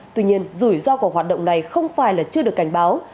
tuy nhiên rủi ro của hoạt động này không phải là chưa được cảnh báo